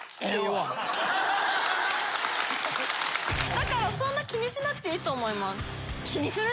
だからそんな気にしなくていいと思います。